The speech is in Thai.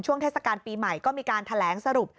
เทศกาลปีใหม่ก็มีการแถลงสรุป